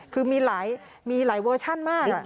คือมีหลายเวอร์ชั่นมาก